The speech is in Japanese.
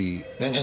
何？